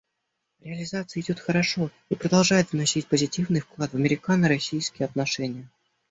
Реализация идет хорошо и продолжает вносить позитивный вклад в американо-российские отношения.